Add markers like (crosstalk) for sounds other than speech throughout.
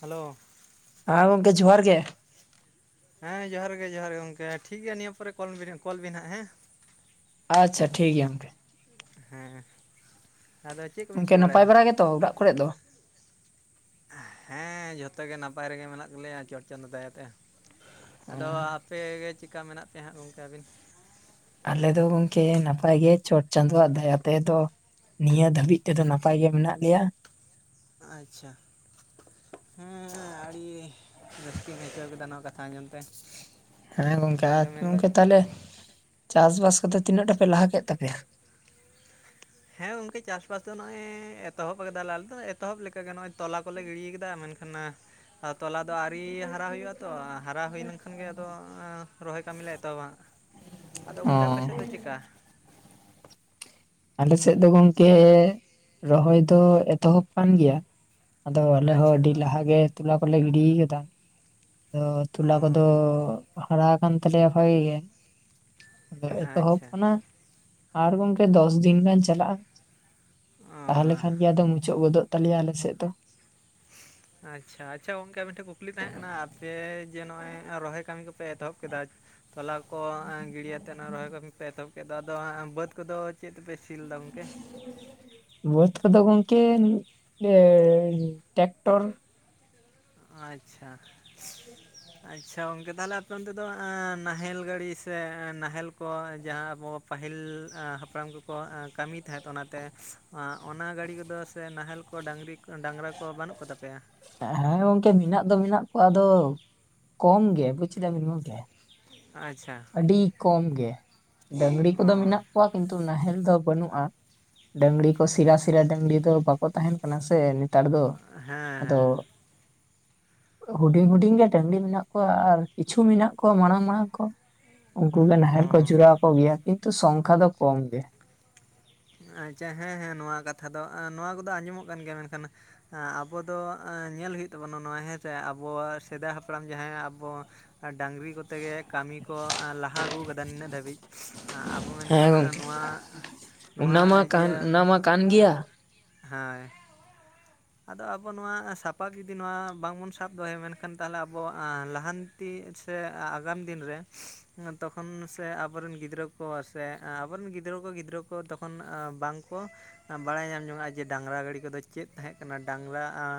Hello ᱦᱮᱸ ᱜᱚᱝᱠᱮ ᱡᱚᱦᱟᱨ ᱜᱮ ᱾ ᱦᱮᱸ ᱡᱚᱦᱟᱨ ᱜᱮ ᱡᱚᱦᱟᱨ ᱜᱮ ᱜᱚᱢᱠᱮ ᱴᱷᱤᱠ ᱜᱮᱭᱟ ᱱᱤᱭᱟᱹ ᱯᱚᱨᱮ ᱠᱚᱞ ᱠᱚᱞ ᱵᱤᱱ ᱦᱟᱸᱜ ᱦᱮᱸ᱾ ᱟᱪᱪᱷᱟ ᱴᱷᱤᱠ ᱜᱮᱭᱟ ᱜᱚᱝᱠᱮ᱾ ᱦᱮᱸ ᱟᱫᱚ ᱪᱮᱫ ᱠᱚᱵᱤᱱ ᱜᱚᱝᱠᱮ ᱪᱤᱠᱟᱹ ᱵᱟᱲᱟᱭ ᱱᱟᱯᱟᱭ ᱫᱟ? ᱵᱟᱲᱟ ᱜᱮᱛᱚ ᱚᱲᱟᱜ ᱠᱚᱨᱮ ᱫᱚ ᱦᱮᱸ ᱡᱷᱚᱛᱚ ᱜᱮ ᱱᱟᱯᱟᱭ ᱨᱮᱜᱮ ᱢᱮᱱᱟᱜ ᱛᱟᱞᱮᱭᱟ ᱪᱚᱴ ᱪᱟᱸᱫᱳ ᱫᱟᱭᱛᱮ᱾ ᱟᱫᱚ ᱟᱯᱮᱜ ᱜᱮ ᱪᱤᱠᱟ ᱢᱮᱱᱟᱜ ᱯᱮᱭᱟ ᱦᱟᱸᱜ ᱜᱚᱢᱠᱮ ᱟᱹᱵᱤᱱ? ᱟᱞᱮ ᱫᱚ ᱜᱚᱝᱠᱮ ᱱᱟᱯᱟᱭ ᱜᱮ ᱪᱚᱴ ᱪᱟᱸᱫᱳᱣᱟᱜ ᱫᱟᱭᱟ ᱛᱮ ᱫᱚ᱾ ᱱᱤᱭᱟᱹ ᱫᱷᱟᱹᱵᱤᱡ ᱛᱮᱫᱚ ᱱᱟᱯᱟᱭ ᱜᱮ ᱢᱮᱱᱟᱜ ᱞᱮᱭᱟ᱾ ᱟᱪᱪᱷᱟ ᱦᱮᱸ ᱟᱹᱰᱤ ᱨᱟᱹᱥᱠᱟᱹᱧ ᱟᱹᱭᱠᱟᱹᱣ ᱠᱮᱫᱟ ᱱᱚᱣᱟ ᱠᱟᱛᱷᱟ ᱟᱸᱡᱚᱢ ᱛᱮ᱾ ᱦᱮᱸ ᱜᱚᱝᱠᱮ ᱟ ᱟᱫᱚ ᱢᱮᱱᱫᱟᱹᱧ ᱜᱚᱝᱠᱮ ᱛᱟᱦᱞᱮ ᱪᱟᱥ ᱵᱟᱟᱥ ᱠᱚᱫᱚ ᱛᱤᱱᱟᱹᱜ ᱴᱟ ᱯᱮ ᱞᱟᱦᱟ ᱠᱮᱫ ᱛᱟᱯᱮᱭᱟ? ᱦᱮᱸ ᱜᱚᱝᱠᱮ ᱪᱟᱥᱵᱟᱥ ᱫᱚ ᱱᱚᱜᱼᱚᱭ ᱮᱛᱚᱦᱚᱵ ᱠᱟᱫᱟ ᱟᱞᱮ ᱫᱚ ᱮᱛᱚᱦᱚᱵ ᱞᱮᱠᱟᱜᱮ ᱱᱚᱜᱼᱚᱭ ᱛᱚᱞᱟ ᱠᱚᱞᱮ ᱜᱤᱲᱤᱭ ᱠᱟᱫᱟ ᱢᱮᱱᱠᱷᱟᱱ ᱟᱸ ᱟᱨ ᱛᱚᱞᱟ ᱫᱚ ᱟᱹᱣᱨᱤ ᱦᱟᱨᱟ ᱦᱩᱭᱩᱜᱼᱟ ᱛᱚ ᱦᱟᱨᱟ ᱦᱩᱭ ᱞᱮᱱᱠᱷᱟᱱ ᱜᱮ ᱟᱫᱚ ᱨᱚᱦᱚᱭ ᱠᱟᱹᱢᱤᱞᱮ ᱮᱛᱚᱦᱚᱵᱟ ᱦᱟᱸᱜ᱾ ᱟᱫᱚ ᱚ ᱜᱚᱝᱠᱮ ᱟᱯᱥᱮᱫ ᱫᱚ ᱪᱮᱜᱠᱟ? ᱟᱞᱮ ᱥᱮᱫ ᱫᱚ ᱜᱚᱝᱠᱮ ᱨᱚᱦᱚᱭ ᱫᱚ ᱮᱛᱚᱦᱚᱵ ᱠᱟᱱ ᱜᱮᱭᱟ᱾ ᱟᱫᱚ ᱟᱞᱮ ᱦᱚᱸ ᱟᱪᱪᱷᱟ ᱟᱹᱰᱤ ᱞᱟᱦᱟ ᱜᱮ ᱭᱚᱞᱟ ᱠᱚᱞᱮ ᱜᱤᱲᱤᱭ ᱠᱟᱫᱟ᱾ ᱟᱫᱚ ᱚ ᱛᱚᱞᱟ ᱠᱚᱫᱚ ᱦᱟᱨᱟᱣ ᱠᱟᱱ ᱛᱟᱞᱮᱭᱟ ᱵᱷᱟᱜᱤ ᱜᱮ᱾ ᱟᱫᱚ ᱮᱛᱚᱦᱚᱵ ᱟᱪᱪᱷᱟ ᱠᱟᱱᱟ ᱟᱨ ᱜᱚᱝᱠᱮ ᱫᱚᱥ ᱫᱤᱱ ᱜᱟᱱ ᱪᱟᱞᱟᱜᱼᱟ᱾ ᱚ ᱛᱟᱦᱞᱮ ᱠᱷᱟᱱ ᱜᱮ ᱟᱫᱚ ᱢᱩᱪᱟᱹᱜ ᱜᱚᱫᱚᱜ ᱛᱟᱞᱮᱭᱟ ᱟᱞᱮ ᱥᱮᱜ ᱫᱚ᱾ (inaudible) ᱟᱪᱪᱷᱟ ᱟᱪᱪᱷᱟ ᱜᱚᱝᱠᱮ ᱟᱵᱤᱱ ᱴᱷᱮᱱ ᱠᱩᱠᱞᱤ ᱛᱟᱦᱮᱸ ᱠᱟᱱᱟ ᱟᱯᱮ ᱡᱮ ᱱᱚᱜᱼᱚᱭ ᱨᱚᱦᱚᱭ ᱠᱟᱹᱢᱤ ᱠᱚᱯᱮ ᱮᱛᱚᱦᱚᱵ ᱠᱮᱫᱟ ᱛᱚᱞᱟ ᱠᱚ ᱮᱸ ᱜᱤᱰᱤᱭᱟᱛᱮ ᱱᱚᱜᱼᱚᱭ ᱨᱚᱦᱚᱭ ᱠᱟᱹᱢᱤ ᱯᱮ ᱮᱛᱚᱦᱚᱵ ᱠᱮᱫ ᱫᱚ, ᱟᱫᱚ ᱵᱟᱹᱫᱽ ᱠᱚᱫᱚ ᱪᱮᱫ ᱛᱮᱯᱮ ᱥᱤ ᱞᱮ? ᱵᱟᱹᱫ ᱠᱚᱫᱚ ᱜᱚᱢᱠᱮ ᱮ ᱴᱮᱠᱴᱚᱨ᱾ ᱟᱪᱪᱷᱟ ᱟᱪᱪᱷᱟ ᱜᱚᱝᱠᱮ ᱛᱟᱦᱞᱮ ᱟᱯᱮ ᱚᱱᱛᱮ ᱫᱚ ᱱᱟᱦᱮᱞ ᱜᱟᱹᱲᱤ ᱥᱮ ᱱᱟᱦᱮᱞ ᱠᱚ ᱡᱟᱦᱟᱸ ᱟᱵᱚ ᱯᱟᱹᱦᱤᱞ ᱮᱸ ᱦᱟᱯᱲᱟᱢ ᱠᱚᱠᱚ ᱮᱸ ᱠᱟᱹᱢᱤ ᱛᱟᱦᱮᱸᱫ ᱚᱱᱟᱛᱮ ᱮᱸ ᱚᱱᱟ ᱜᱟᱹᱰᱤ ᱠᱚᱫᱚ ᱥᱮ ᱱᱟᱦᱮᱞ ᱠᱚ ᱰᱟᱝᱨᱤ ᱰᱟᱝᱨᱟ ᱠᱚ ᱵᱟᱹᱱᱩᱜ ᱠᱚ ᱛᱟᱯᱮᱭᱟ? ᱦᱮᱸ ᱜᱚᱝᱠᱮ ᱢᱮᱱᱟᱜ ᱫᱚ ᱢᱮᱱᱟᱜ ᱠᱚᱣᱟ ᱟᱫᱚ ᱠᱚᱢ ᱜᱮ ᱵᱩᱡ ᱠᱮᱫᱟᱵᱤᱱ ᱜᱚᱝᱠᱮ? ᱟᱪᱪᱷᱟ ᱟᱹᱰᱤ ᱠᱚᱢ ᱜᱮ ᱰᱟᱝᱲᱤ ᱠᱚᱫᱚ ᱚ ᱢᱮᱱᱟᱜ ᱠᱚᱣᱟ ᱠᱤᱱᱛᱩ ᱱᱟᱦᱮᱞ ᱫᱚ ᱵᱟᱹᱱᱩᱜᱼᱟ᱾ ᱰᱟᱹᱝᱲᱤ ᱠᱚ ᱥᱤᱨᱟ ᱥᱤᱨᱟ ᱰᱟᱹᱝᱲᱤ ᱫᱚ ᱵᱟᱠᱚ ᱛᱟᱦᱮᱱ ᱠᱟᱱᱟ ᱥᱮ ᱱᱮᱛᱟᱨ ᱫᱚ᱾ ᱟᱫᱚ ᱦᱮᱸ ᱦᱩᱰᱤᱧ ᱦᱩᱰᱤᱧ ᱜᱮ ᱰᱟᱝᱲᱤ ᱢᱮᱱᱟᱜ ᱠᱚᱣᱟ ᱟᱨ ᱠᱤᱪᱷᱩ ᱢᱮᱱᱟᱜ ᱠᱚᱣᱟ ᱢᱟᱲᱟᱝ ᱢᱟᱲᱟᱝ ᱠᱚ᱾ ᱩᱝᱠᱩ ᱜᱮ ᱦᱮᱸ ᱱᱟᱦᱮᱞ ᱠᱚ ᱚ ᱡᱩᱨᱟᱣ ᱠᱚ ᱜᱮᱭᱟ ᱠᱤᱱᱛᱩ ᱥᱚᱝᱠᱷᱟ ᱫᱚ ᱠᱚᱢ ᱜᱮ᱾ ᱟᱪᱪᱷᱟ ᱦᱮᱸ ᱦᱮᱸ ᱱᱚᱣᱟ ᱠᱟᱛᱷᱟ ᱫᱚ ᱟᱸ ᱱᱚᱣᱟ ᱠᱚᱫᱚ ᱟᱸᱡᱚᱢᱚᱜ ᱠᱟᱱ ᱜᱮᱭᱟ ᱢᱮᱱᱠᱷᱟᱱ (unintelligible) ᱟᱵᱚ ᱫᱚ ᱮᱸ ᱧᱮᱞ ᱦᱚᱭᱩᱜ ᱛᱟᱵᱚᱱᱟ ᱦᱮᱸ ᱥᱮ ᱟᱵᱚᱣᱟᱜ ᱥᱮᱫᱟᱭ ᱦᱟᱯᱲᱟᱢ ᱟᱵᱚ, ᱟ (unintelligible) ᱰᱟᱝᱨᱤ ᱠᱚᱛᱮᱜ ᱜᱮ, ᱠᱟᱹᱢᱤ ᱠᱚ ᱮᱸ ᱞᱟᱦᱟ ᱟᱹᱜᱩ ᱟᱠᱟᱫᱟ ᱱᱤᱱᱟᱹᱜ ᱫᱷᱟᱹᱵᱤᱡ ᱟᱵᱚ ᱦᱮᱸ ᱢᱮᱱᱠᱷᱟᱱ ᱜᱚᱝᱠᱮ ᱱᱚᱣᱟ? ᱱᱚᱣᱟ ᱚᱱᱟ ᱢᱟ ᱠᱟᱱ ᱤᱭᱟᱹ ᱚᱱᱟ ᱢᱟ ᱠᱟᱱ ᱜᱮᱭᱟ ᱦᱟᱸᱭ, ᱟᱫᱚ ᱟᱵᱚ ᱱᱚᱣᱟ ᱥᱟᱯᱟᱵ ᱡᱩᱫᱤ ᱱᱚᱣᱟ ᱵᱟᱝᱵᱚᱱ ᱥᱟᱵ ᱫᱚᱦᱚᱭᱟ ᱢᱮᱱᱠᱷᱟᱱ ᱛᱟᱦᱞᱮ ᱟᱵᱚ ᱞᱟᱦᱟᱱ ᱻ (unintelligible) ᱥᱮ ᱟᱜᱟᱢ ᱫᱤᱱ ᱨᱮ ᱛᱚᱠᱷᱚᱱ ᱥᱮ ᱟᱵᱚᱨᱮᱱ ᱜᱤᱫᱽᱨᱟᱹ (unintelligible) (unintelligible) ᱥᱮ ᱟᱵᱚᱨᱮᱱ ᱜᱤᱫᱽᱨᱟᱹ ᱠᱚ ᱜᱤᱫᱽᱨᱟᱹ ᱠᱚ ᱛᱚᱠᱷᱚᱱ ᱵᱟᱝᱠᱚ (inaudible) ᱵᱟᱲᱟᱭ ᱧᱟᱢ ᱡᱚᱝᱟᱜᱼᱟ ᱡᱮ ᱰᱟᱝᱨᱟ ᱜᱟᱹᱰᱤ ᱠᱚᱫᱚ ᱪᱮᱫ ᱛᱟᱦᱮᱸ ᱠᱟᱱᱟ ᱰᱟᱝᱨᱟ ᱟᱸ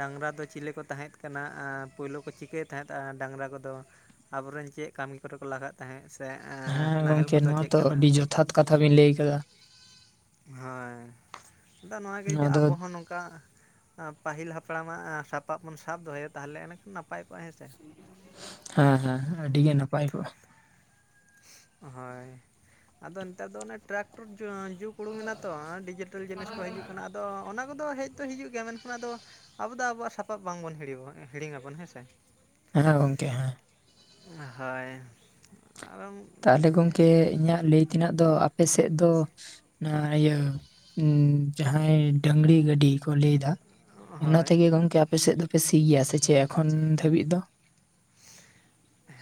ᱰᱟᱝᱨᱟ ᱫᱚ ᱪᱮᱞᱤ ᱠᱚ ᱛᱟᱦᱮᱸᱫ ᱠᱟᱱᱟ ᱟᱸ ᱯᱳᱭᱞᱳ ᱠᱚ ᱪᱤᱠᱟᱹᱭᱮᱜ ᱛᱟᱦᱮᱸᱫᱼᱟ ᱰᱟᱝᱨᱟ ᱠᱚᱫᱚ? ᱟᱵᱚᱨᱮᱱ ᱪᱮᱜ ᱠᱟᱹᱢᱤ ᱠᱚᱨᱮ ᱠᱚ ᱞᱟᱜᱟᱜ (unintelligible) ᱦᱮᱸᱜ ᱥᱮ ᱦᱮᱸ ᱱᱟᱦᱮᱞ ᱜᱚᱝᱠᱮ ᱠᱚᱫᱚ ᱱᱚᱣᱟ ᱪᱮᱜ ᱛᱚ ᱠᱟᱱᱟ? ᱟᱹᱰᱤ ᱡᱚᱛᱷᱟᱛ ᱠᱟᱛᱷᱟ ᱵᱤᱱ ᱞᱟᱹᱭ ᱠᱟᱫᱟ ᱦᱳᱭ ᱟᱫᱚ ᱱᱚᱣᱟ ᱜᱮ ᱡᱮ ᱟᱵᱚ ᱦᱚᱸ ᱱᱚᱝᱠᱟ ᱮᱸ ᱯᱟᱹᱦᱤᱞ ᱦᱟᱯᱲᱟᱢᱟᱜ ᱮᱸ ᱥᱟᱯᱟᱵ ᱵᱚᱱ ᱥᱟᱵ ᱫᱚᱦᱚᱭᱟ ᱛᱟᱦᱞᱮ ᱮᱱ ᱠᱷᱟᱱ ᱱᱟᱯᱟᱭ ᱠᱚᱜᱼᱟ ᱦᱮᱸ ᱥᱮ ᱾ ᱦᱮᱸ ᱦᱮᱸ ᱟᱹᱰᱤ ᱜᱮ ᱱᱟᱯᱟᱭ ᱠᱚᱜᱼᱟ ᱾ ᱦᱳᱭ ᱟᱫᱚ ᱱᱮᱛᱟᱨ ᱫᱚ ᱚᱱᱮ ᱴᱨᱟᱠᱴᱚᱨ ᱡᱩᱜᱽ ᱩᱰᱩᱝ ᱮᱱᱟ ᱛᱚ ᱰᱤᱡᱤᱴᱮᱞ ᱡᱤᱱᱤᱥ ᱠᱚ ᱦᱤᱡᱩᱜ ᱠᱟᱱᱟ ᱟᱫᱚ ᱚᱱᱟ ᱠᱚᱫᱚ ᱦᱮᱡ ᱫᱚ ᱦᱤᱡᱩᱜ ᱜᱮᱭᱟ ᱢᱮᱱᱠᱷᱟᱱ ᱟᱫᱚ? ᱟᱵᱚ ᱫᱚ ᱟᱵᱚᱣᱟᱜ ᱥᱟᱯᱟᱵ ᱵᱟᱝᱵᱚᱱ ᱦᱤᱲᱤᱢ (unintelligible) ᱦᱤᱲᱤᱝ ᱟᱵᱚᱱ ᱦᱮᱸᱥᱮ᱾ ᱦᱮᱸ ᱜᱚᱝᱠᱮ ᱦᱮᱸ ᱾ ᱦᱳᱭ ᱟᱨᱢ (unintelligible) ᱛᱟᱦᱞᱮ ᱜᱚᱝᱠᱮ ᱤᱧᱟᱹᱜ ᱞᱟᱹᱭ ᱛᱮᱱᱟᱜ ᱫᱚ ᱟᱯᱮ ᱥᱮᱫ ᱫᱚ? (unintelligible) ᱤᱭᱟᱹ ᱡᱟᱦᱟᱸᱭ ᱰᱟᱝᱲᱤ ᱜᱟᱹᱰᱤ ᱠᱚ ᱞᱟᱹᱭ ᱮᱫᱟ ᱾ ᱚᱱᱟ ᱦᱳᱭ ᱛᱮᱜᱮ ᱜᱚᱝᱠᱮ ᱟᱯᱮ ᱥᱮᱫ ᱫᱚᱯᱮ ᱥᱤ ᱜᱮᱭᱟ ᱥᱮ ᱪᱮᱜ ᱮᱠᱷᱚᱱ ᱫᱷᱟᱹᱵᱤᱡ ᱫᱚ? (inaudible)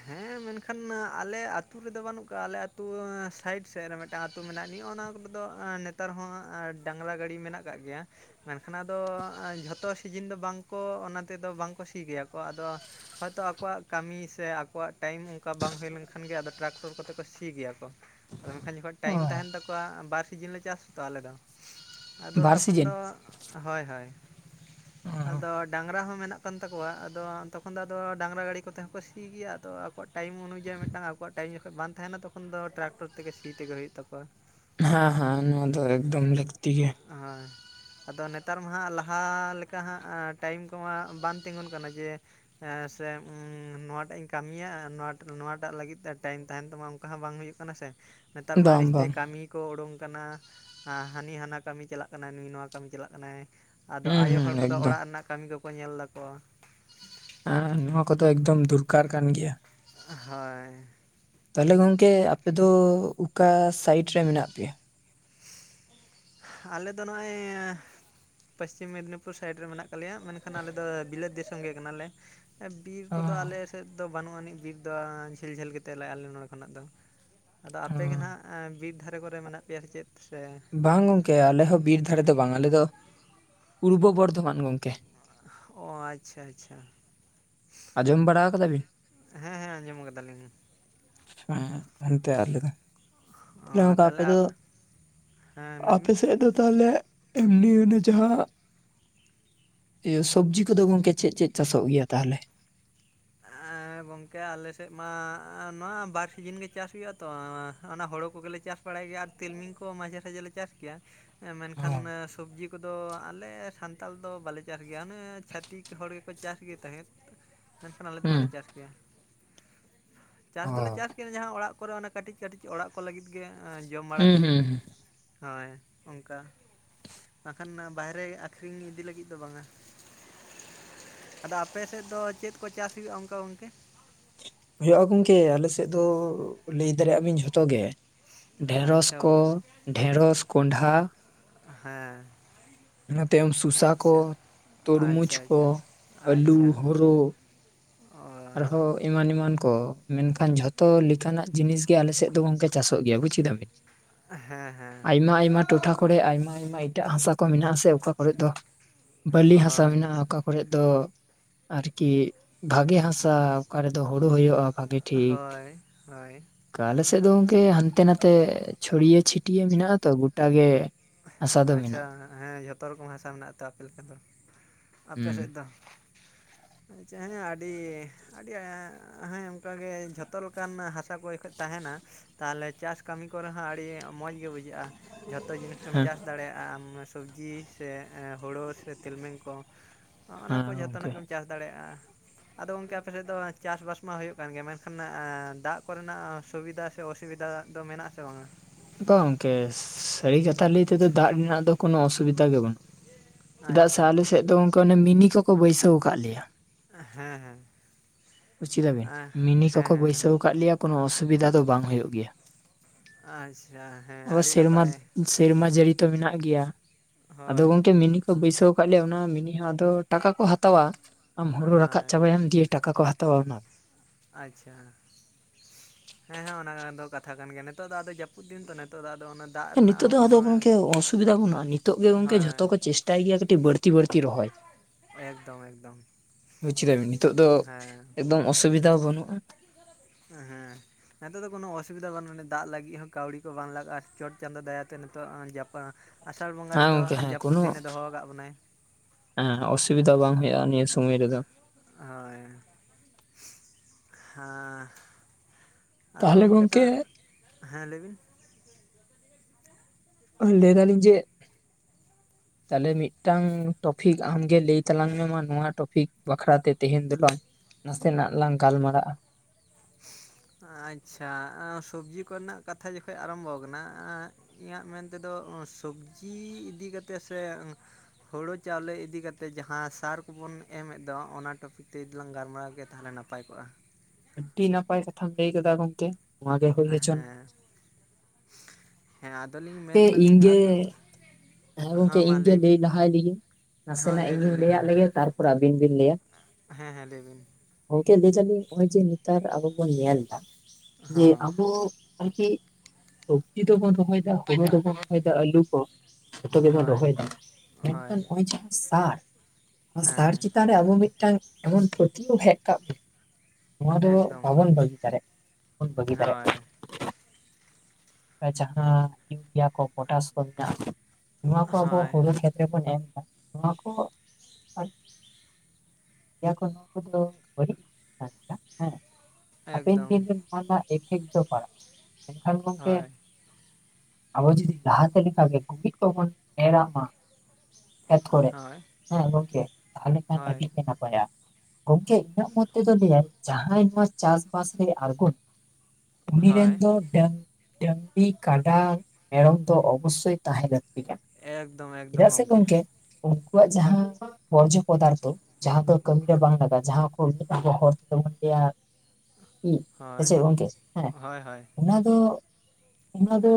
ᱦᱮᱸ ᱢᱮᱱᱠᱷᱟᱱ ᱟᱞᱮ ᱟᱹᱛᱩ ᱨᱮᱫᱚ ᱵᱟᱹᱱᱩᱜ ᱠᱚᱟᱜᱼᱟ, ᱟᱞᱮ ᱟᱹᱛᱩ ᱥᱟᱭᱤᱰ ᱥᱮᱜ ᱨᱮ (unintelligible) ᱮᱴᱟᱜ ᱟᱹᱛᱩ ᱢᱮᱱᱟᱜ ᱟᱹᱱᱤ ᱚᱱᱟ (unintelligible) ᱱᱮᱛᱟᱨ ᱦᱚᱸ ᱰᱟᱝᱲᱟ ᱜᱟᱹᱰᱤ ᱢᱮᱱᱟᱜ ᱟᱠᱟᱜ ᱜᱮᱭᱟ ᱾ ᱢᱮᱱᱠᱷᱟᱱ ᱟᱫᱚ ᱡᱷᱚᱛᱚ ᱥᱤᱡᱤᱱ ᱫᱚ ᱵᱟᱝᱠᱚ ᱚᱱᱟ ᱛᱮᱫᱚ ᱵᱟᱝᱠᱚ ᱥᱤ ᱜᱮᱭᱟᱠᱚ ᱟᱫᱚ, ᱦᱳᱭ ᱛᱚ (unintelligible) ᱟᱠᱚᱣᱟᱜ ᱠᱟᱹᱢᱤ ᱥᱮ ᱟᱠᱚᱣᱟᱜ ᱴᱟᱭᱤᱢ ᱚᱱᱠᱟ ᱵᱟᱝ ᱦᱩᱭ ᱞᱮᱱᱠᱷᱟᱱ ᱜᱮ ᱟᱫᱚ ᱴᱨᱟᱠᱴᱚᱨ ᱠᱟᱛᱮ ᱠᱚ ᱥᱤ ᱜᱮᱭᱟ ᱠᱚ ᱾ ᱱᱚᱝᱠᱟᱱ ᱡᱚᱠᱷᱚᱡ, ᱚ ᱴᱟᱭᱤᱢ ᱛᱟᱦᱮᱸᱱ ᱛᱟᱠᱚᱣᱟ, ᱵᱟᱨ ᱥᱤᱡᱤᱱ ᱞᱮ ᱪᱟᱥ ᱟ ᱛᱚ ᱟᱞᱮ ᱫᱚ ᱟᱫᱚ ᱵᱟᱨ ᱛᱚᱠᱷᱚᱱ ᱥᱤᱡᱤᱱ ᱫᱚ, ᱦᱳᱭ ᱦᱳᱭ ᱚ ᱟᱫᱚ ᱰᱟᱝᱨᱟ ᱦᱚᱸ ᱢᱮᱱᱟᱜ ᱠᱟᱱ ᱛᱟᱠᱚᱣᱟ ᱟᱫᱚ ᱛᱚᱠᱷᱚᱱ ᱫᱚ ᱟᱫᱚ? ᱰᱟᱝᱨᱟ ᱜᱟᱹᱰᱤ ᱠᱚᱛᱮ ᱦᱚᱸᱠᱚ ᱥᱤ ᱜᱮᱭᱟ ᱟᱫᱚ ᱟᱠᱚᱣᱟᱜ ᱴᱟᱭᱤᱢ ᱚᱱᱩᱡᱟ ᱢᱤᱫᱴᱟᱝ ᱟᱠᱚᱣᱟᱜ ᱴᱟᱭᱤᱢ ᱡᱚᱠᱷᱚᱱ ᱵᱟᱝ ᱛᱟᱦᱮᱱᱟ ᱛᱚᱠᱷᱚᱱ ᱫᱚ ᱴᱨᱟᱠ (unintelligible) (unintelligible) ᱥᱤ ᱛᱮ ᱜᱮ ᱦᱩᱭᱩᱜ ᱛᱟᱠᱚᱣᱟ ᱾ ᱦᱟᱸ ᱦᱟᱸ ᱱᱚᱣᱟ ᱫᱚ ᱮᱠᱫᱚᱢ ᱞᱟᱹᱠᱛᱤ ᱜᱮᱭ ᱾ (unintelligible) ᱟᱭ ᱟᱫᱚ ᱱᱮᱛᱟᱨ ᱢᱟ ᱦᱟᱸᱜ ᱞᱟᱦᱟ ᱞᱮᱠᱟ ᱦᱟᱸᱜ ᱴᱟᱭᱤᱢ ᱠᱚᱢᱟ ᱵᱟᱝ ᱛᱮᱸᱜᱩᱱ ᱠᱟᱱᱟ ᱡᱮ ᱾ ᱦᱮᱸ ᱥᱮ ᱱᱚᱣᱟᱴᱟᱜ ᱤᱧ ᱠᱟᱹᱢᱤᱭᱟ ᱱᱚᱣᱟᱴᱟᱜ ᱞᱟᱹᱜᱤᱫ ᱛᱮ ᱴᱟᱭᱤᱢ ᱛᱟᱦᱮᱱ ᱛᱟᱢᱟ? (unintelligible) ᱵᱟᱝ ᱦᱩᱭᱩᱜ ᱠᱟᱱᱟ ᱥᱮ, ᱱᱮᱛᱟᱨ ᱢᱟ ᱵᱟᱝ ᱟᱹᱲᱤᱥ ᱛᱮ ᱵᱟᱝ ᱠᱟᱹᱢᱤ ᱠᱚ ᱩᱲᱩᱝ ᱠᱟᱱᱟ᱾ ᱦᱟᱹᱱᱤ ᱦᱟᱱᱟ ᱠᱟᱹᱢᱤ ᱪᱟᱞᱟᱜ ᱠᱟᱱᱟᱭ ᱱᱩᱭ ᱱᱚᱣᱟ ᱠᱟᱹᱢᱤ ᱪᱟᱞᱟᱜ ᱠᱟᱱᱟᱭ, ᱟᱫᱚ ᱦᱩᱸ ᱟᱭᱳ ᱦᱚᱲ ᱦᱩᱸ ᱠᱚᱫᱚ ᱮᱠᱫᱚᱢ ᱚᱲᱟᱜ ᱨᱮᱱᱟᱜ ᱠᱟᱹᱢᱤ ᱠᱚ (unintelligible) (unintelligible) ᱠᱚ ᱧᱮᱞ ᱫᱟ ᱠᱚᱣᱟ ᱾ ᱦᱟᱸ ᱱᱚᱣᱟ ᱠᱚᱫᱚ ᱮᱠᱫᱚᱢ ᱫᱩᱨᱠᱟᱨ ᱠᱟᱱ ᱜᱮᱭᱟ ᱾ (unintelligible) ᱦᱳᱭ ᱾ ᱛᱟᱦᱞᱮ ᱜᱚᱝᱠᱮ ᱟᱯᱮ ᱫᱚ ᱩᱠᱟ ᱥᱟᱭᱤᱴ ᱨᱮ ᱢᱮᱱᱟᱜ ᱯᱮᱭᱟ? ᱟᱞᱮ ᱫᱚ ᱱᱚᱜᱼᱚᱭ ᱯᱟᱥᱪᱤᱢ ᱢᱮᱫᱽᱱᱤᱯᱩᱨ ᱥᱟᱭᱤᱰ ᱨᱮ ᱢᱮᱱᱟᱜ ᱾ (unintelligible) ᱞᱮᱭᱟ ᱢᱮᱱᱠᱷᱟᱱ ᱟᱞᱮ ᱫᱚ ᱵᱤᱞᱟᱹᱛ ᱫᱤᱥᱚᱢ ᱜᱮ ᱠᱟᱱᱟᱞᱮ ᱵᱤᱨ ᱚ ᱠᱚᱫᱚ ᱟᱞᱮ? (unintelligible) (unintelligible) ᱫᱚ ᱵᱟᱹᱱᱩᱜ ᱟᱹᱱᱤᱡ ᱵᱤᱨ ᱫᱚ ᱡᱷᱟᱹᱞ ᱡᱷᱟᱹᱞ ᱜᱮ ᱛᱟᱞᱮ ᱱᱚᱰᱮ ᱠᱷᱚᱱᱟᱜ ᱫᱚ ᱾ ᱟᱫᱚ ᱟᱯᱮ ᱜᱮ ᱦᱚᱸ ᱦᱟᱸᱜ ᱵᱤᱨ ᱫᱷᱟᱨᱮ ᱠᱚᱨᱮ ᱢᱮᱱᱟᱜ ᱯᱮᱭᱟ ᱥᱮ ᱪᱮᱫ ᱥᱮ? ᱵᱟᱝ ᱜᱚᱝᱠᱮ ᱟᱞᱮ ᱦᱚ ᱵᱤᱨ ᱫᱷᱟᱨᱮ ᱫᱚ ᱵᱟᱝ ᱟᱞᱮ ᱫᱚ ᱯᱩᱨᱵᱚ ᱵᱚᱨᱫᱷᱚᱢᱟᱱ ᱜᱚᱝᱠᱮ ᱾ ᱳ ᱟᱪᱪᱷᱟ ᱟᱪᱪᱷᱟ ᱟᱸᱡᱚᱢ ᱵᱟᱲᱟᱣ ᱠᱟᱫᱟ ᱵᱤᱱ? ᱦᱮᱸ ᱦᱮᱸ ᱟᱸᱡᱚᱢ ᱠᱟᱫᱟ ᱞᱤᱧ ᱦᱮ ᱚᱱᱛᱮ ᱟᱞᱮ ᱫᱚ ᱚ ᱛᱟᱦᱞᱮ ᱚᱱᱠᱟ ᱛᱟᱦᱚᱞᱮ ᱟᱯᱮ ᱫᱚ ᱟᱯ ᱟᱯᱮ ᱥᱮᱫ ᱫᱚ ᱛᱟᱦᱚᱞᱮ ᱮᱢᱱᱤ ᱚᱱᱮ ᱡᱟᱦᱟᱸ ᱥᱚᱵᱽᱡᱤ ᱠᱚᱫᱚ ᱜᱚᱝᱠᱮ ᱪᱮᱫ ᱪᱮᱫ ᱪᱟᱥᱚᱜ ᱜᱮᱭᱟ ᱛᱟᱦᱚᱞᱮ? ᱜᱚᱝᱠᱮ ᱟᱞᱮ ᱥᱮᱫ ᱢᱟ ᱱᱚᱣᱟ ᱵᱟᱨ ᱥᱤᱡᱤᱱ ᱜᱮ ᱪᱟᱥ ᱦᱩᱭᱩᱜᱼᱟ ᱛᱚ ᱚᱱᱟ ᱦᱳᱲᱳ ᱠᱚᱜᱮᱞᱮ ᱪᱟᱥ ᱵᱟᱲᱟᱭ ᱜᱮᱭᱟ ᱟᱨ ᱛᱤᱞᱢᱤᱧ ᱠᱚ ᱢᱟᱡᱷᱮ ᱥᱟᱡᱷᱮ ᱞᱮ ᱪᱟᱥ ᱜᱮᱭᱟ ᱢᱮᱱᱠᱷᱟᱱ ᱥᱚᱵᱽᱡᱤ ᱠᱚᱫᱚ ᱟᱞᱮ ᱥᱟᱱᱛᱟ ᱫᱚ ᱵᱟᱞᱮ ᱪᱟᱥ ᱜᱮᱭᱟ ᱟᱱᱮ ᱪᱷᱟᱛᱤᱠ ᱦᱚᱲ ᱜᱮᱠᱚ ᱪᱟᱥ ᱜᱮ ᱛᱟᱦᱮᱸᱦᱮᱫ ᱢᱮᱱᱠᱷᱟᱱ ᱟᱞᱮ ᱫᱚ ᱦᱩᱸ ᱵᱟᱞᱮ ᱪᱟᱥ ᱜᱮᱭᱟ ᱚ, ᱪᱟᱥ ᱫᱚᱞᱮ ᱪᱟᱥ ᱮᱠᱮᱞ ᱡᱟᱦᱟᱸ ᱚᱲᱟᱜ ᱠᱚᱨᱮ ᱚᱱᱟ ᱠᱟᱹᱴᱤᱡᱽ ᱠᱟᱹᱴᱤᱡᱽ ᱚᱲᱟᱜ ᱠᱚ ᱞᱟᱹᱜᱤᱫ ᱜᱮ ᱡᱚᱢ ᱵᱟᱲᱟ ᱦᱩᱸ ᱠᱷᱟᱹᱛᱤᱨ ᱦᱩᱸ ᱦᱩᱸ ᱦᱳᱭ ᱚᱱᱠᱟ ᱵᱟᱠᱷᱟᱱ ᱵᱟᱦᱨᱮ ᱟᱠᱷᱨᱤᱧ ᱤᱫᱤ ᱞᱟᱹᱜᱤᱫ ᱫᱚ ᱵᱟᱝᱼᱟ᱾ ᱟᱫᱚ ᱟᱯᱮ ᱥᱮᱫ ᱫᱚ ᱪᱮᱫ ᱠᱚ ᱪᱟᱥ ᱦᱩᱭᱩᱜᱼᱟ ᱚᱱᱠᱟ ᱜᱚᱝᱠᱮ? ᱦᱩᱭᱩᱜᱼᱟ ᱜᱚᱝᱠᱮ ᱟᱞᱮ ᱥᱮᱫ ᱫᱚ ᱞᱟᱹᱭ ᱫᱟᱲᱮᱭᱟᱜ ᱵᱤᱱ ᱡᱷᱚᱛᱚ ᱜᱮ᱾ ᱰᱷᱮᱲᱚᱥ ᱟᱪᱪᱷᱟ ᱠᱚ ᱜᱚᱝᱠᱮ ᱰᱷᱮᱲᱚᱥ ᱠᱚᱸᱱᱰᱟᱦᱟ ᱦᱮᱸ ᱚᱱᱟ ᱛᱟᱭᱚᱢ ᱥᱚᱥᱟ ᱠᱚ ᱟᱪᱪᱷᱟ ᱛᱚᱨᱢᱩᱡ ᱟᱪᱪᱷᱟ ᱠᱚ ᱟᱪᱪᱷᱟ ᱟᱹᱞᱩ ᱟᱪᱪᱷᱟ ᱦᱚᱨᱚ ᱚ ᱟᱨᱦᱚᱸ ᱮᱢᱟᱱ ᱮᱢᱟᱱ ᱠᱚ ᱢᱮᱱᱠᱷᱟᱱ ᱡᱷᱚᱛᱚ ᱞᱮᱠᱟᱱᱟᱜ ᱡᱤᱱᱤᱥ ᱠᱤ‌ ᱟᱞᱮ ᱥᱮᱜ ᱫᱚ ᱜᱚᱝᱠᱮ ᱪᱟᱥᱚᱜ ᱜᱮᱭᱟ ᱵᱩᱪ ᱠᱮᱫᱟ ᱵᱤᱱ, ᱦᱮᱸ ᱦᱮᱸ ᱟᱭᱢᱟ ᱟᱭᱢᱟ ᱴᱚᱴᱷᱟ ᱠᱚᱨᱮ ᱟᱭᱢᱟ ᱟᱭᱢᱟ ᱮᱴᱟᱜ ᱦᱟᱥᱟ ᱠᱚ ᱢᱮᱱᱟᱜ-ᱟ ᱥᱮ ᱚᱠᱟ ᱠᱚᱨᱮ ᱫᱚ ᱵᱟᱹᱞᱤ ᱦᱟᱥᱟ ᱦᱳᱭ ᱢᱤᱱᱟᱜ-ᱟ ᱚᱠᱟ ᱠᱚᱨᱮ ᱫᱚ ᱟᱨᱠᱤ ᱵᱷᱟᱜᱤ ᱦᱟᱥᱟ ᱚᱠᱟ ᱨᱮᱫᱚ ᱦᱩᱲᱩ ᱦᱩᱭᱩᱜ-ᱟ᱾ ᱵᱷᱟᱜᱮ ᱴᱷᱤᱠ᱾ ᱦᱳᱭ ᱦᱳᱭ ᱠᱟ ᱟᱞᱮ ᱥᱮᱜ ᱫᱚ ᱜᱚᱝᱠᱮ ᱦᱟᱱᱛᱮ ᱱᱟᱛᱮ ᱪᱷᱩᱲᱭᱟᱹ ᱪᱷᱤᱹᱴᱭᱟᱹ ᱢᱮᱱᱟᱜ-ᱟ ᱛᱚ ᱜᱚᱴᱟ ᱜᱮ ᱦᱟᱥᱟ ᱫᱚ ᱟᱪᱪᱷᱟ ᱢᱮᱱᱟᱜᱼᱟ ᱦᱮᱸ ᱡᱷᱚᱛᱚ ᱨᱚᱠᱚᱢ ᱦᱟᱥᱟ ᱢᱮᱱᱟᱜ-ᱟ ᱛᱚ ᱟᱯᱮ ᱞᱮᱠᱟ ᱫᱚ᱾ ᱟᱯᱮ ᱦᱩᱸ ᱥᱮᱜ ᱫᱚ ᱟᱹᱪᱪᱷᱟ ᱦᱮᱸ ᱟᱰᱤ ᱟᱹᱰᱤ ᱦᱮᱸ ᱦᱮᱸ ᱚᱱᱠᱟ ᱜᱮ ᱡᱷᱚᱛᱚ ᱞᱮᱠᱟᱱ ᱦᱟᱥᱟ ᱠᱚ ᱜᱮ ᱠᱷᱟᱹᱡᱽ ᱛᱟᱦᱮᱱᱟ᱾ ᱛᱟᱦᱚᱞᱮ ᱪᱟᱥ ᱠᱟᱢᱤ ᱠᱚᱨᱮ ᱦᱚᱸ ᱟᱲᱤ ᱢᱚᱸᱡᱽ ᱜᱮ ᱵᱩᱡᱷᱟᱜ-ᱟ ᱡᱷᱚᱛᱚ ᱡᱤᱱᱤᱥ ᱦᱮᱸ ᱫᱟᱲᱮᱭᱟᱜ-ᱟ ᱟᱢ ᱥᱚᱵᱽᱡᱤ ᱥᱮ ᱮᱸ ᱦᱳᱲᱳ ᱥᱮ ᱛᱮᱞᱢᱮᱧ ᱠᱚ᱾ ᱦᱚᱸᱜ-ᱚᱱᱟ ᱦᱮᱸ ᱠᱚ ᱡᱷᱚᱛᱚ ᱜᱚᱝᱠᱮ ᱱᱟᱜ ᱜᱮᱢ ᱪᱟᱥ ᱫᱟᱲᱮᱜ-ᱟ᱾ ᱟᱫᱚ ᱜᱚᱝᱠᱮ ᱟᱯᱮ ᱥᱮᱜ ᱫᱚ ᱪᱟᱥᱼᱵᱟᱥ ᱢᱟ ᱦᱩᱭᱩᱜ ᱠᱟᱱ ᱜᱮᱭᱟ ᱢᱮᱱᱠᱷᱟᱱ ᱮᱸᱻ ᱫᱟᱜᱽ ᱠᱚᱨᱮ ᱱᱟᱸᱜ ᱥᱩᱵᱤᱫᱟ ᱚᱥᱩᱵᱤᱫᱟ ᱫᱚ ᱢᱮᱱᱟᱜ-ᱟ ᱥᱮ ᱵᱟᱝᱼᱟ? ᱜᱚᱝᱠᱮ ᱥᱟᱹᱻᱥᱟᱹᱨᱤ ᱠᱟᱛᱷᱟ ᱞᱟᱹᱭ ᱛᱮᱫᱚ ᱫᱟᱜᱽ ᱨᱮᱱᱟᱜ ᱫᱚ ᱠᱚᱱᱚ ᱚᱥᱩᱵᱤᱫᱟ ᱜᱮ ᱵᱟᱹᱱᱩᱜ ᱪᱮᱫᱟᱜ ᱥᱮ ᱟᱪᱪᱷᱟ ᱟᱞᱮ ᱥᱮᱜ ᱫᱚ ᱜᱚᱝᱠᱮ ᱚᱱᱮ ᱱᱟᱜ ᱢᱤᱱᱤ ᱠᱚᱠᱚ ᱵᱟᱹᱭᱥᱟᱹᱣ ᱠᱟᱜ ᱞᱮᱭᱟ᱾ ᱦᱮᱸ ᱦᱮᱸ᱾ ᱵᱩᱪ ᱠᱤᱫᱟ ᱵᱤᱱ ᱢᱤᱱᱤ ᱦᱮᱸ ᱠᱚᱠᱚ ᱦᱮᱸ ᱵᱟᱹᱭᱥᱟᱹᱣ ᱠᱟᱜ ᱞᱮᱭᱟ ᱠᱚᱱᱚ ᱚᱥᱩᱵᱤᱫᱟ ᱫᱚ ᱵᱟᱝ ᱦᱩᱭᱩᱜ ᱜᱮᱭᱟ᱾ ᱟᱪᱪᱷᱟ᱾ ᱦᱮᱸ ᱚᱻ ᱟᱹᱰᱤ ᱥᱮᱨᱢᱟᱜ ᱱᱟᱯᱟᱭ ᱥᱮᱨᱢᱟ ᱡᱟᱹᱲᱤ ᱛᱚ ᱢᱮᱱᱟᱜ ᱜᱮᱭᱟ ᱟᱫᱚ ᱦᱳᱭ ᱜᱚᱝᱠᱮ ᱢᱤᱱᱤ ᱠᱚ ᱵᱟᱹᱭᱥᱟᱹᱣ ᱠᱟᱜ ᱞᱮᱭᱟ ᱚᱱᱟ ᱢᱤᱱᱤ ᱦᱚᱸ ᱟᱫᱚ ᱴᱟᱠᱟ ᱠᱚ ᱦᱟᱛᱟᱣᱟ ᱟᱢ ᱦᱩᱲᱩ ᱨᱟᱠᱟᱜ ᱦᱳᱭ ᱪᱟᱵᱟ ᱭᱟᱢ ᱫᱤᱭᱮ ᱴᱟᱠᱟ ᱠᱚ ᱦᱟ ᱛᱟᱣᱟ ᱚᱱᱟ᱾ ᱟᱪᱪᱷᱟ ᱦᱮᱸ ᱦᱟᱸᱜ ᱚᱱᱟ ᱫᱚ ᱠᱟᱛᱷᱟ ᱠᱟᱱ ᱜᱮᱭᱟ ᱱᱮᱛᱚᱜ ᱫᱚ ᱟᱫᱚ ᱡᱟᱹᱯᱩᱜ ᱫᱤᱱ ᱛᱚ ᱱᱮᱛᱚᱜ ᱫᱚ ᱟᱫᱚ ᱚᱱᱟ ᱫᱟᱜ ᱨᱮᱱᱟᱜ ᱱᱤᱛᱚᱜ ᱦᱚᱸ ᱫᱚ ᱟᱫᱚ ᱠᱳᱱᱳ ᱜᱚᱝᱠᱮ ᱚᱥᱩᱵᱤᱫᱟ ᱵᱟᱹᱱᱩᱜ-ᱟ ᱱᱤᱛᱚᱜ ᱜᱮ ᱜᱚᱝᱠᱮ ᱦᱳᱭ ᱡᱷᱚᱛᱚ ᱠᱚ ᱪᱮᱥᱴᱟᱭ ᱜᱮᱭᱟ ᱠᱟᱹᱴᱤᱡᱽ ᱵᱟᱹᱲᱛᱤ ᱵᱟᱹᱲᱛᱤ ᱨᱚᱦᱚᱭ᱾ ᱮᱠᱫᱚᱢ ᱮᱠᱫᱚᱢ᱾ ᱵᱩᱪ ᱠᱤᱫᱟ ᱵᱤᱱ ᱱᱤᱛᱚᱜ ᱫᱚ ᱮᱠᱫᱚᱢ ᱚᱥᱩᱵᱤᱫᱟ ᱵᱟᱹᱱᱩᱜ-ᱟ᱾ ᱮ ᱦᱮᱸ᱾ ᱦᱮᱸᱛᱚᱜ ᱫᱚ ᱠᱚᱱᱚ ᱚᱥᱩᱵᱤᱫᱟ ᱵᱟᱹᱱᱩᱜ-ᱟ ᱫᱟᱜᱽ ᱞᱟᱹᱜᱤᱫ ᱦᱚᱸ ᱠᱟᱣᱲᱤ ᱠᱚ ᱵᱟᱝ ᱞᱟᱜᱟᱜ-ᱟ ᱪᱚᱴ ᱪᱟᱸᱫᱳ ᱫᱟᱭᱟ ᱛᱮ ᱱᱤᱛᱚᱜ ᱮᱸ ᱡᱟᱯᱟ ᱟᱥᱟᱲ ᱵᱚᱸᱜᱟ ᱨᱮᱫᱚ ᱱᱚᱜᱼᱚᱭ ᱡᱟᱹᱯᱩᱜ ᱫᱤᱱᱮ ᱫᱚᱦᱚᱣ ᱠᱟᱜ ᱵᱚᱱᱟᱭ᱾ ᱮᱸ ᱚᱥᱩᱵᱤᱫᱟ ᱵᱟᱝ ᱦᱩᱭᱩᱜ-ᱟ ᱱᱤᱭᱟᱹ ᱥᱚᱢᱚᱭ ᱨᱮᱫᱚ᱾ ᱚᱸᱻᱳᱭ᱾ ᱦᱮᱸ ᱟᱫᱚ ᱜᱚᱝᱠᱮ ᱛᱟᱜ, ᱦᱮᱸ ᱞᱟᱹᱭ ᱵᱤᱱ? ᱚ ᱞᱟᱹᱭ ᱫᱟᱞᱤᱧ ᱡᱮ (inaudible) ᱛᱟᱦᱚᱞᱮ ᱢᱤᱫᱴᱟᱝ ᱴᱚᱯᱷᱤᱠ ᱟᱢᱜᱮ ᱞᱟᱹᱭ ᱛᱟᱞᱟᱝ ᱢᱮ ᱢᱟ ᱱᱚᱣᱟ ᱴᱚᱯᱷᱤᱠ ᱵᱟᱠᱷᱨᱟ ᱛᱮ ᱛᱮᱦᱮᱧ ᱫᱚ ᱞᱟᱝ ᱱᱟᱥᱮ ᱱᱟᱜ ᱞᱟᱝ ᱜᱟᱞᱢᱟᱨᱟᱜ-ᱟ᱾ ᱟᱸᱪᱪᱷᱟ ᱟᱸᱻ ᱥᱚᱵᱽᱡᱤ ᱠᱚᱨᱮ ᱱᱟᱜ ᱠᱟᱛᱷᱟ ᱡᱚᱠᱷᱚᱡ ᱟᱨᱚᱢᱵᱚᱣ ᱠᱟᱱᱟ ᱟᱸᱜ ᱤᱧᱟᱹᱜ ᱢᱮᱱ ᱚᱸᱻᱛᱮᱫᱚ ᱥᱚᱵᱽᱡᱤ ᱤᱫᱤ ᱠᱟᱛᱮᱜ ᱥᱮ ᱚᱸ ᱦᱳᱲᱳ ᱪᱟᱣᱞᱮ ᱤᱫᱤ ᱠᱟᱛᱮᱜ ᱡᱟᱦᱟᱸ ᱥᱟᱨ ᱠᱩᱵᱚᱱ ᱮᱢᱮᱜ ᱫᱚ ᱚᱱᱟ ᱴᱚᱯᱷᱤᱠ ᱛᱮ ᱡᱩᱫᱤ ᱞᱟᱝ ᱜᱟᱞᱢᱟᱨᱟᱣ ᱠᱮᱭᱟ ᱛᱟᱦᱚᱞᱮ ᱱᱟᱯ ᱯᱟᱭ ᱠᱚᱜ-ᱟ᱾ ᱟᱹᱰᱰᱤ ᱱᱟᱯᱟᱭ ᱠᱟᱛᱷᱟᱢ ᱞᱟᱹᱭ ᱠᱮᱫᱟ ᱜᱚᱝᱠᱮ ᱱᱚᱣᱟ ᱜᱮ ᱦᱩᱭ ᱦᱚᱪᱚᱱ᱾ ᱦᱮᱸ ᱦᱮᱸ ᱟᱫᱚ ᱞᱤᱧ ᱜᱚᱝᱠᱮ ᱢᱮᱱ ᱫᱟᱞᱤᱧ ᱤᱧᱜᱮ ᱟᱫᱚ ᱦᱮᱸ ᱜᱚᱝᱠᱮ ᱤᱧ ᱜᱮ ᱞᱟᱹᱭ ᱞᱟᱦᱟᱭ ᱞᱤᱜᱤᱧ ᱱᱟᱥᱮ ᱦᱮᱸ ᱱᱟᱜ ᱞᱟᱹᱭ ᱵᱤᱱ ᱤᱧᱤᱧ ᱞᱟᱹᱭ ᱞᱟᱹᱭᱟᱜ ᱵᱤᱱ ᱞᱮᱜᱮ ᱛᱟᱨᱯᱚᱨᱮ ᱟᱵᱤᱱ ᱵᱤᱱ ᱞᱟᱹᱭᱟ᱾ ᱦᱮᱸ ᱦᱮᱸ ᱞᱟᱹᱭ ᱵᱤᱱ? ᱜᱚᱝᱠᱮ ᱞᱟᱹᱭ ᱫᱟᱞᱤᱧ ᱱᱚᱜ-ᱚᱭ ᱡᱮ ᱱᱮᱛᱟᱨ ᱟᱵᱚ ᱵᱚᱱ ᱧᱮᱞ ᱫᱟ ᱡᱮ ᱦᱚᱸ ᱟᱵᱚ ᱟᱨ ᱠᱤᱜ ᱥᱚᱵᱽᱡᱤ ᱫᱚ ᱵᱚᱱ ᱫᱚᱦᱚᱭ ᱫᱟ᱾ ᱦᱳᱲᱳ ᱫᱚᱵᱚᱱ ᱨᱚᱦᱚᱭ ᱫᱟ ᱟᱹᱞᱩ ᱠᱚ ᱡᱚᱛᱚ ᱜᱮᱵᱚᱱ ᱦᱳᱭ ᱨᱚᱦᱚᱭ ᱫᱟ ᱦᱳᱭ ᱢᱮᱱᱠᱷᱟᱱ ᱱᱚᱜ-ᱚᱭ ᱡᱟᱦᱟᱸ ᱥᱟᱨ ᱱᱚᱣᱟ ᱥᱟᱨ ᱦᱮᱸ ᱪᱤᱛᱟᱱ ᱨᱮ ᱟᱵᱚ ᱢᱤᱜᱴᱟᱝ ᱮᱢᱚᱱ ᱯᱟᱹᱛᱭᱟᱹᱣ ᱦᱮᱡ ᱠᱟᱜ ᱵᱚ ᱱᱚᱶᱟ ᱫᱚ ᱵᱟᱵᱚᱱ ᱵᱟᱹᱜᱤ ᱫᱟᱲᱮᱜ᱾ ᱦᱮᱸᱻᱦᱚᱭ᱾ ᱡᱟᱦᱟᱸ ᱤᱭᱩᱨᱤᱭᱟ ᱠᱚ ᱯᱚᱴᱟᱥ ᱠᱚ ᱢᱮᱱᱟᱜ-ᱟ ᱱᱚᱣᱟ ᱠᱚ ᱟᱵᱚ ᱦᱳᱭ ᱦᱳᱲᱳ ᱠᱷᱮᱛ ᱨᱮ ᱵᱚᱱ ᱮᱢᱫᱟ, ᱱᱚᱣᱟ ᱠᱚᱦᱚᱸ ᱞᱟ. ᱭ ᱟᱠᱚ ᱱᱚᱣᱟ ᱠᱚᱫᱚ ᱵᱟᱹᱲᱤᱡ (unintelligible) ᱦᱮᱸ ᱦᱟᱯᱮᱱ ᱮᱠᱫᱚᱢ ᱫᱤᱱ ᱱᱚᱣᱟ ᱨᱮᱱᱟᱜ ᱮᱯᱷᱮᱠ ᱫᱚ ᱯᱟᱲᱟᱜ, ᱢᱮᱱᱠᱷᱟᱱ ᱜᱚᱢᱠᱮ? ᱦᱳᱭ ᱟᱵᱚ ᱡᱩᱫᱤ ᱞᱟᱦᱟ ᱛᱮ ᱞᱮᱠᱟ ᱜᱮ (unintelligible) ᱠᱚᱵᱚᱱ ᱮᱲᱟᱜ ᱢᱟ ᱠᱷᱮᱛ ᱠᱚᱨᱮ, ᱦᱳᱭ ᱦᱮᱸ ᱜᱚᱝᱠᱮ ᱛᱟᱦᱚᱞᱮ ᱠᱷᱟᱱ ᱦᱳᱭ ᱟᱹᱰᱤ ᱜᱮ ᱱᱟᱯᱟᱭᱟ᱾ ᱜᱚᱢᱠᱮ ᱤᱧᱟᱹᱜ ᱢᱚᱫ ᱛᱮᱫᱚ ᱞᱟᱹᱭ ᱟ ᱡᱟᱦᱟᱸᱭ ᱱᱚᱣᱟ ᱪᱟᱥ-ᱵᱟᱥ ᱨᱮ ᱟᱬᱜᱚᱱ ᱩᱱᱤ ᱨᱮᱱ ᱦᱳᱭ ᱫᱚ ᱰᱟᱹ ᱼᱼ ᱰᱟᱺᱝᱨᱤ, ᱠᱟᱰᱟ, ᱢᱮᱨᱚᱢ ᱫᱚ ᱚᱵᱚᱥᱥᱳᱭ ᱛᱟᱦᱮᱸ ᱞᱟᱹᱠᱛᱤ ᱠᱟᱱᱟ᱾ ᱮᱠᱫᱚᱢ ᱮᱠᱫᱚᱢ ᱪᱮᱫᱟᱜ ᱥᱮ ᱜᱚᱢᱠᱮ ᱜᱚᱝᱠᱮ ᱩᱱᱠᱩᱣᱟᱜ ᱡᱟᱦᱟᱸ ᱯᱚᱨᱡᱚ ᱯᱚᱫᱟᱨᱛᱚᱼᱼ ᱡᱟᱦᱟᱸ ᱫᱚ ᱠᱟᱹᱢᱤ ᱨᱮ ᱵᱟᱝ ᱞᱟᱜᱟᱜᱼᱟ, ᱡᱟᱦᱟᱸ ᱠᱚ ᱟᱵᱚ ᱦᱚᱲ ᱛᱮᱫ ᱵᱚᱱ ᱞᱟᱹᱭᱟᱼᱼ ᱤ ᱦᱳᱭ ᱦᱮᱸᱥᱮ ᱜᱚᱝᱠᱮ ᱦᱮᱸ ᱦᱳᱭ ᱦᱳᱭ ᱚᱱᱟ ᱫᱚᱻᱼᱼ ᱚᱱᱟ ᱫᱚ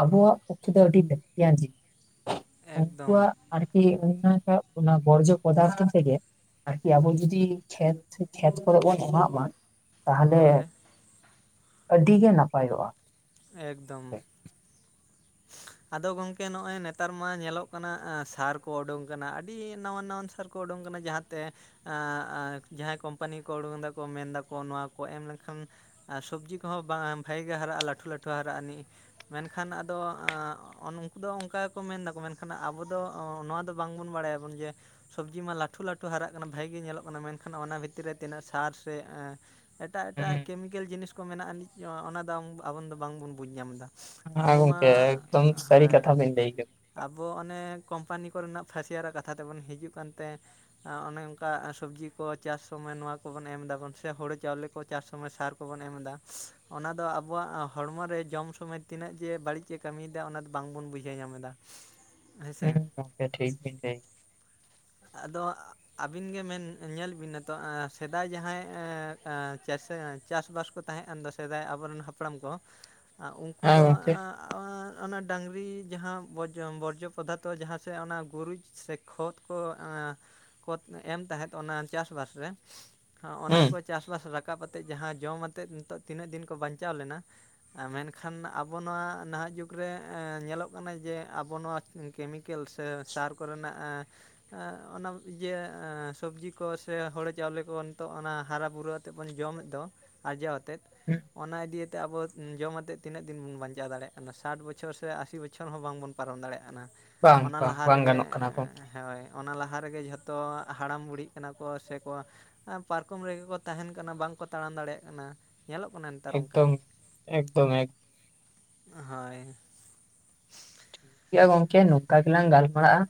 ᱟᱵᱚ ᱣᱟᱜ ᱯᱚᱠᱷᱮ ᱫᱚ (unintelligible) ᱮᱠᱫᱚᱢ ᱩᱱᱠᱩᱣᱟᱜ ᱟᱨᱠᱤ ᱚᱱᱟᱴᱟᱜ ᱚᱱᱟ ᱵᱚᱨᱡᱚ ᱯᱚᱫᱟᱨᱛᱷᱚ ᱛᱷᱮᱜᱮᱼᱼ ᱟᱨᱠᱤ ᱟᱵᱚ ᱡᱩᱫᱤ ᱠᱷᱮᱛ ᱠᱷᱮᱛ ᱠᱚᱨᱮ ᱵᱚᱱ ᱮᱢᱟᱜ ᱢᱟ, ᱛᱟᱦᱮᱞᱮᱼᱼ ᱦᱳᱭ ᱟᱹᱰᱤ ᱜᱮ ᱱᱟᱯᱟᱭᱚᱜ-ᱟ᱾ ᱮᱠᱫᱚᱢ ᱾ ᱟᱫᱚ ᱜᱚᱝᱠᱮ ᱱᱚᱜᱼᱚᱭ ᱱᱮᱛᱟᱨ ᱢᱟ ᱧᱮᱞᱚᱜ ᱠᱟᱱᱟ, ᱟᱸ ᱥᱟᱨ ᱠᱚ ᱚᱰᱳᱝ ᱠᱟᱱᱟ ᱟᱹᱰᱤ ᱱᱟᱣᱟᱱ ᱱᱟᱣᱟᱱ ᱥᱟᱨᱼᱼ ᱠᱚ ᱩᱰᱩᱝ ᱠᱟᱱᱟ ᱡᱟᱦᱟᱸ ᱛᱮᱼᱼ ᱟᱸ ᱟᱸ ᱡᱟᱦᱟᱸ ᱠᱳᱢᱯᱟᱱᱤ ᱠᱚ ᱩᱰᱩᱠ ᱫᱟᱠᱚ, ᱢᱮᱱ ᱫᱟᱠᱚ ᱱᱚᱣᱟ ᱠᱚ ᱮᱢ ᱞᱮᱠᱷᱟᱱ ᱼᱼ ᱟᱨ ᱥᱚᱵᱽᱡᱤ ᱠᱚᱦᱚᱸ ᱵᱟᱝ ᱵᱷᱟᱜᱤ ᱜᱮ ᱦᱟᱨᱟᱜ-ᱟ, ᱞᱟᱹᱴᱷᱩ ᱞᱟᱹᱴᱷᱩ ᱦᱟᱨᱟᱜ-ᱟ ᱱᱤᱜ, ᱢᱮᱱᱠᱷᱟᱱ ᱟᱫᱚ ᱟᱸᱼᱼ ᱩᱱ ᱚᱱᱠᱚ ᱫᱚ ᱚᱱᱠᱟ ᱜᱮᱠᱚ ᱢᱮᱱᱫᱟᱠᱚ, ᱢᱮᱱᱠᱷᱟᱱ ᱟᱵᱚ ᱫᱚ ᱱᱚᱣᱟ ᱫᱚ ᱵᱟᱝ ᱵᱚᱱ ᱵᱟᱲᱟᱭᱟ ᱵᱚᱱ ᱡᱮᱼᱼ ᱥᱚᱵᱽᱡᱤ ᱢᱟ ᱞᱟᱹᱴᱷᱩ ᱞᱟᱹᱴᱷᱩ ᱦᱟᱨᱟᱜ ᱠᱟᱱᱟ ᱵᱷᱟᱜᱤ ᱜᱮ ᱧᱮᱞᱚᱜ ᱠᱟᱱᱟ, ᱢᱮᱱᱠᱷᱟᱱ ᱚᱱᱟ ᱵᱷᱤᱛᱤᱨ ᱨᱮ ᱛᱤᱱᱟᱹᱜ ᱥᱟᱨ ᱥᱮ ᱮᱸᱼᱼ ᱮᱴᱟᱜ ᱮᱴᱟᱜ ᱦᱮᱸ ᱠᱮᱢᱤᱠᱮᱞ ᱡᱤᱱᱤᱥ ᱠᱚ ᱢᱮᱱᱟᱜᱟ ᱟᱹᱱᱤᱡ, ᱚᱱᱟᱫᱚᱝ ᱟᱵᱚᱱ ᱫᱚ ᱵᱟᱝᱵᱚᱱ ᱵᱩᱡᱽ ᱧᱟᱢ ᱫᱟ᱾ ᱟᱵᱚ ᱢᱟ ᱜᱚᱝᱠᱮ ᱮᱠᱫᱚᱢ ᱥᱟᱹᱨᱤ ᱦᱚᱭ ᱠᱟᱛᱷᱟ ᱾ ᱵᱤᱱ ᱞᱟᱹᱭ ᱠᱮᱫᱟ ᱟᱵᱚ ᱚᱱᱮ ᱠᱳᱢᱯᱟᱱᱤ ᱠᱚᱨᱮᱱᱟᱜ ᱯᱷᱟᱹᱥᱤᱭᱟᱨᱟᱜ ᱠᱟᱛᱷᱟ ᱛᱮ ᱵᱚᱱ ᱦᱤᱡᱩᱜ ᱠᱟᱱᱛᱮᱼᱼ ᱚᱱᱮ ᱚᱱᱠᱟ ᱥᱚᱵᱽᱡᱤ ᱠᱚ ᱪᱟᱥ ᱥᱚᱢᱚᱭ ᱱᱚᱣᱟ ᱠᱚᱵᱚᱱ ᱮᱢ ᱫᱟ ᱵᱚᱱ, ᱥᱮ ᱦᱳᱲᱳ ᱪᱟᱣᱞᱮ ᱠᱚ ᱪᱟᱥ ᱥᱚᱢᱚᱭ ᱥᱟᱨᱼᱼ ᱠᱚᱵᱚᱱ ᱮᱢ ᱫᱟ, ᱚᱱᱟ ᱫᱚ ᱟᱵᱚᱣᱟᱜ ᱦᱚᱲᱢᱚ ᱨᱮ ᱡᱚᱢ ᱥᱚᱢᱚᱭ ᱛᱤᱱᱟᱹᱜ ᱡᱮ ᱵᱟᱹᱲᱤᱡᱮ ᱠᱟᱹᱢᱤᱫᱼᱼ ᱚᱱᱟ ᱫᱚ, ᱵᱟᱝᱵᱚᱱ ᱵᱩᱡᱷᱟᱹᱣ ᱧᱟᱢ ᱫᱟ᱾ ᱦᱮᱸ ᱜᱚᱝᱠᱮ ᱴᱷᱤᱠ ᱵᱤᱢ ᱞᱟᱹᱭ᱾ ᱟᱫᱚ ᱟᱜᱼᱼ ᱟᱹᱵᱤᱱ ᱜᱮ ᱢᱮᱱ ᱧᱮᱞ ᱵᱤᱱ ᱱᱤᱛᱚᱜ ᱟᱸ ᱥᱮᱫᱟᱭ ᱡᱟᱦᱟᱸᱭ ᱟᱸ ᱟᱸ ᱪᱟᱥᱟ ᱪᱟᱥ ᱵᱟᱥ ᱠᱚᱛᱼᱼ ᱛᱟᱦᱮ ᱟᱸᱫᱚ ᱥᱮᱫᱟᱭ ᱟᱵᱚᱨᱮᱱ ᱦᱟᱯᱲᱟᱢ ᱠᱚ, ᱟᱸ ᱠᱮᱫᱟ᱾ ᱩᱱᱠᱩ ᱦᱮᱸ ᱫᱚ ᱜᱚᱝᱠᱮ ᱟᱸ ᱼᱼ ᱚᱱᱟ ᱰᱟᱝᱨᱤ ᱡᱟᱦᱟᱸ ᱰᱚᱡ ᱵᱚᱨᱡᱚ ᱯᱚᱫᱟᱨᱛᱷᱚ ᱡᱟᱦᱟᱸ ᱥᱮ ᱚᱱᱟ ᱜᱩᱨᱤᱡ ᱥᱮ ᱠᱷᱚᱛ ᱠᱚ ᱟᱸᱼᱼ ᱠᱚᱛ ᱮᱢ ᱛᱟᱦᱮᱸᱫ ᱚᱱᱟ ᱪᱟᱥᱵᱟᱥ ᱨᱮ, ᱚᱱᱟ ᱦᱩᱸ ᱠᱚᱼᱼ ᱪᱟᱥᱵᱟᱥ ᱨᱟᱠᱟᱵ ᱟᱛᱮ, ᱡᱟᱦᱟᱸ ᱡᱚᱢ ᱟᱛᱮ ᱱᱤᱛᱚᱜ ᱛᱤᱱᱟᱹᱜ ᱫᱤᱱ ᱠᱚ ᱵᱟᱧᱪᱟᱣ ᱞᱮᱱᱟ᱾ ᱢᱮᱱ ᱠᱷᱟᱱ ᱟᱵᱚ ᱱᱚᱣᱟ ᱱᱟᱦᱟᱜ ᱡᱩᱜᱽᱼᱼ ᱨᱮ ᱮᱸ ᱧᱮᱞᱚᱜ ᱠᱟᱱᱟ ᱡᱮ ᱟᱵᱚ ᱱᱚᱣᱟ ᱠᱮᱢᱤᱠᱮᱞ, ᱥᱮ ᱥᱟᱨ ᱠᱚ ᱨᱮᱱᱟᱜ ᱮᱸ ᱼᱼ ᱚᱱᱟ ᱤᱭᱟᱹ ᱮᱸ ᱥᱚᱵᱡᱤ ᱠᱚ ᱥᱮ ᱦᱳᱲᱳ ᱪᱟᱣᱞᱮ ᱠᱚ ᱱᱤᱛᱚᱜ ᱚᱱᱟ ᱦᱟᱨᱟ ᱵᱩᱨᱩ ᱼᱼ ᱱᱤᱛᱚᱜ ᱵᱚᱱ ᱡᱚᱢ ᱮᱫ ᱫᱚ ᱟᱨᱡᱟᱣ ᱮᱼᱼ (unintelligible) ᱚᱱᱟ ᱤᱫᱤ ᱫᱤᱭᱮ ᱛᱮ ᱟᱵᱚ ᱡᱚᱢ ᱟᱛᱮ ᱛᱤᱱᱟᱹᱜ ᱫᱤᱱ ᱵᱚᱱ ᱵᱟᱧᱪᱟᱣ ᱫᱟᱲᱮ ᱭᱟᱜ ᱠᱟᱱᱟ ᱥᱮ? ᱥᱟᱴ ᱵᱚᱪᱷᱚᱨ ᱥᱮ ᱟᱥᱤ ᱵᱚᱪᱷᱚᱨ ᱦᱚᱸ ᱵᱟᱝ ᱵᱚᱱ ᱯᱟᱨᱚᱢ ᱫᱟᱲᱮ ᱭᱟᱜ ᱠᱟᱱᱟ, ᱵᱟᱝ ᱚᱱᱟ ᱵᱟᱝ ᱞᱟᱦᱟ ᱵᱟᱝ ᱨᱮᱜᱮ ᱜᱟᱱᱚᱜ ᱠᱟᱱᱟ ᱜᱚᱝᱠᱮ ᱮᱸ ᱦᱳᱭ ᱾ ᱚᱱᱟ ᱞᱟᱦᱟ ᱨᱮ ᱜᱮ ᱡᱷᱚᱛᱚ ᱦᱟᱲᱟᱢ ᱵᱩᱲᱦᱤᱜ ᱠᱟᱱᱟ ᱠᱚ ᱥᱮ ᱠᱚ ᱼᱼ ᱯᱟᱨᱠᱚᱢ ᱨᱮ ᱜᱮ ᱠᱚ ᱛᱟᱦᱮᱱ ᱠᱟᱱᱟ ᱵᱟᱝ ᱠᱚ ᱛᱟᱲᱟᱢ ᱫᱟᱲᱮ ᱠᱟᱱᱟ, ᱧᱮᱞᱚᱜ ᱠᱟᱱᱟ‌ ᱼᱼ ᱮᱠᱫᱚᱢ ᱮᱠᱫᱚᱢ ᱮᱠ ᱾ ᱦᱳᱭ ᱾ ᱮᱭᱟ ᱜᱚᱝᱠᱮ ᱱᱚᱝᱠᱟ ᱜᱮᱞᱟᱝ ᱜᱟᱞ ᱢᱟᱨᱟᱜᱼᱟ,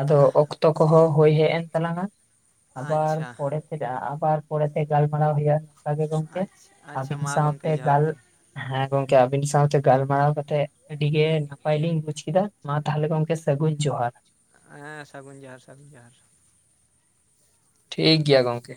ᱟᱫᱚ ᱚᱠᱛᱚ ᱠᱚ ᱦᱚᱸ ᱦᱩᱭ ᱦᱮᱡ ᱮᱱ ᱛᱟᱞᱟᱝᱼᱟ ᱾ ᱟᱵᱟᱨ ᱟᱪᱪᱷᱟ ᱯᱚᱨᱮ ᱛᱮ ᱡᱟᱸᱦᱟ ᱟᱵᱟᱨ ᱯᱚᱨᱮ ᱛᱮ ᱜᱟᱞᱢᱟᱨᱟᱣ ᱦᱩᱭᱩᱜᱼᱟ ᱾ ᱚᱱᱠᱟ ᱜᱮ ᱜᱚᱢᱠᱮ, ᱟᱪᱪᱷᱟ ᱟᱪᱪᱷᱟ ᱟᱹᱵᱤᱱ ᱢᱟ ᱥᱟᱶ ᱜᱚᱢᱠᱮ ᱛᱮ ᱡᱚᱦᱟᱨ ᱜᱟᱞᱼᱼ ᱜᱮ ᱦᱮᱸ ᱜᱚᱝᱠᱮ ᱟᱹᱵᱤᱱ ᱥᱟᱶᱛᱮ ᱜᱟᱞᱢᱟᱨᱟᱣ ᱠᱟᱛᱮᱜ ᱟᱹᱰᱤ ᱜᱮ ᱱᱟᱯᱟᱭ ᱞᱤᱧ ᱵᱩᱡ ᱪᱮᱫᱟᱜ ᱢᱟ ᱛᱟᱦᱚᱞᱮ ᱜᱚᱢᱠᱮ ᱥᱟᱹᱜᱩᱱ ᱡᱚᱦᱟᱨ ᱦᱮᱸ ᱥᱟᱹᱜᱩᱱ ᱡᱚᱦᱟᱨ ᱥᱟᱹᱜᱩᱱ ᱡᱚᱦᱟᱨ ᱴᱷᱤᱠ ᱜᱮᱭᱟ ᱜᱚᱝᱠᱮ